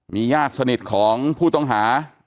มีญาติสนิทของผู้ต้องหา